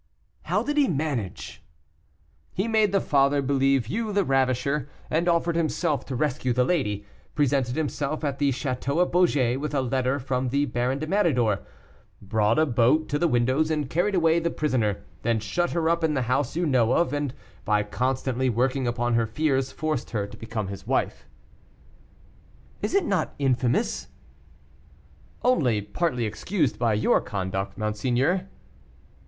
"How did he manage?" "He made the father believe you the ravisher, and offered himself to rescue the lady, presented himself at the château of Beaugé with a letter from the Baron de Méridor, brought a boat to the windows, and carried away the prisoner; then shut her up in the house you know of, and by constantly working upon her fears, forced her to become his wife." "Is it not infamous?" "Only partly excused by your conduct, monseigneur."